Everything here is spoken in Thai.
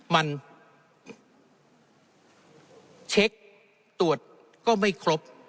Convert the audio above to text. มันเช็คตรวจก็ไม่ครบ